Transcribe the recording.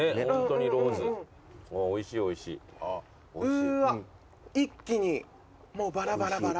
うわ一気にもうバラバラバラ。